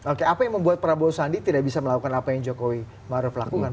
oke apa yang membuat prabowo sandi tidak bisa melakukan apa yang jokowi maruf lakukan